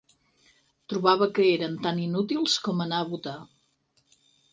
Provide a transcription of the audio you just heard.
Trobava que eren tant inútils com anar a votar